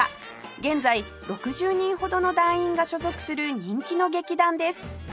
現在６０人ほどの団員が所属する人気の劇団です